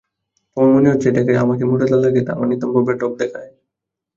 তোমার মনে হচ্ছে এটাতে আমাকে মোটা লাগে, আমার নিতম্ব বেঢপ দেখায়।